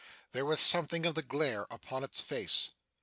There was something of the glare upon its face.